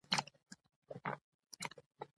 ځوانان د انرژی سرچینه دي.